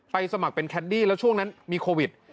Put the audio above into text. สมัครเป็นแคดดี้แล้วช่วงนั้นมีโควิด